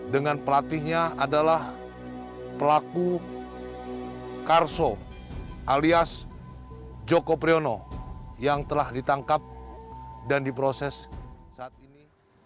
dengan pelatihnya adalah pelaku karso alias joko priyono yang telah ditangkap dan diproses saat ini